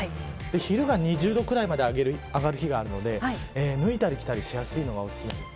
昼が２０度ぐらいまで上がる日があるので脱いだり着たりしやすいものがおすすめです。